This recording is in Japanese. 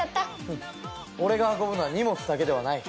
フッ俺が運ぶのは荷物だけではない。